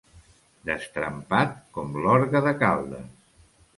Destrempat com l'orgue de Caldes.